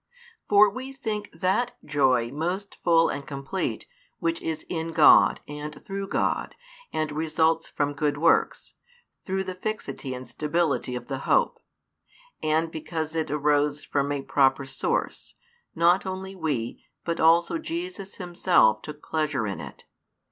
For we think that joy most full and complete, which is in God, and through God, and results from good works, through the fixity and stability of the hope; and because it arose from a proper source, not only we, but also Jesus Himself took pleasure in it.